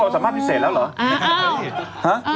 สามารถพิเศษแล้วเหรอ